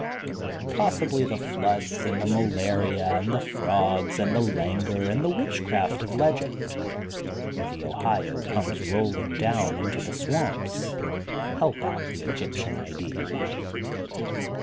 Possibly the floods and the malaria and the frogs and the languor and the witchcraft of legend, where the Ohio comes rolling down into the swamps, help out the Egyptian idea.